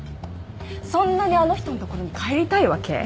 そんなにあの人の所に帰りたいわけ？